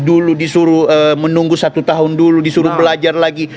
dulu disuruh menunggu satu tahun dulu disuruh belajar lagi